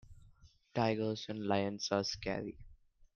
Tigers and lions are scary.